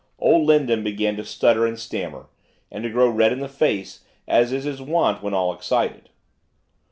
Old Lindon began to stutter and stammer, and to grow red in the face, as is his wont when at all excited.